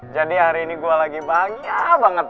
jadi hari ini gue lagi bahagia banget